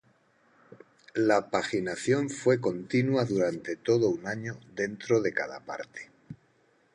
La paginación fue continua durante todo un año dentro de cada parte.